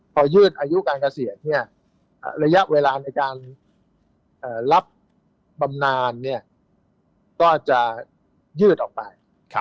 พอยืดอายุการเกษียณเนี่ยระยะเวลาในการรับบำนานเนี่ยก็จะยืดออกไป